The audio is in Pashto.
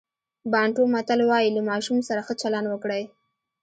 بانټو متل وایي له ماشوم سره ښه چلند وکړئ.